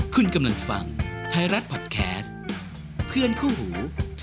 คุณกำลังฟังไทยรัฐพอดแคสต์เพื่อนคู่หู